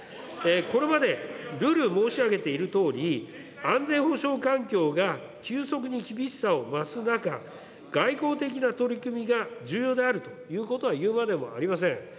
これまで、縷々申し上げているとおり、安全保障環境が急速に厳しさを増す中、外交的な取り組みが重要であるということはいうまでもありません。